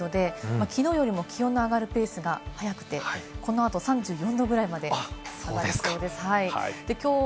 この時間、３１．９度できのうよりも気温の上がるペースが速くて、この後、３４度ぐらいまで下がりそうです。